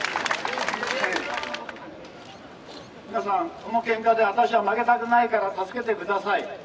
皆さんこの喧嘩で私は負けたくないから助けてください。